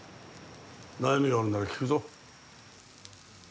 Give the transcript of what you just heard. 悩みがあるんなら、聞くぞ。